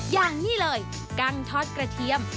อย่างนี้เลยกั้งทอดกระเทียม